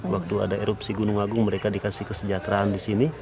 waktu ada erupsi gunung agung mereka dikasih kesejahteraan disini